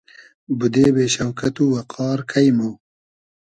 بودې بې شۆکئت و وئقار کݷ مۉ